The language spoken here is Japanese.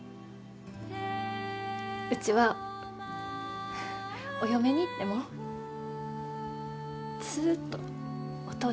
うちはお嫁に行ってもずっとお父